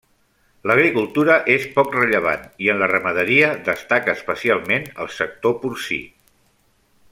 L'agricultura és poc rellevant i en la ramaderia destaca especialment el sector porcí.